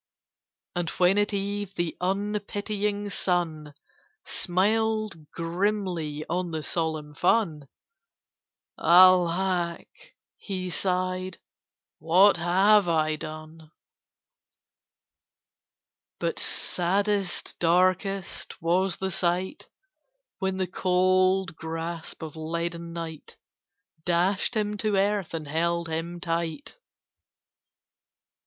And when at Eve the unpitying sun Smiled grimly on the solemn fun, "Alack," he sighed, "what have I done?" [Picture: Tortured, unaided, and alone] But saddest, darkest was the sight, When the cold grasp of leaden Night Dashed him to earth, and held him tight.